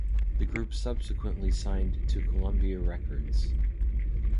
The group subsequently signed to Columbia Records.